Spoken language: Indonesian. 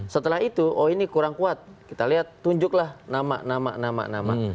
setelah itu oh ini kurang kuat kita lihat tunjuklah nama nama nama